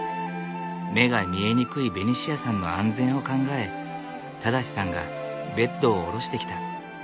目が見えにくいベニシアさんの安全を考え正さんがベッドを下ろしてきた。